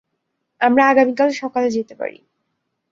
আমরা আগামীকাল সকালে যেতে পারি।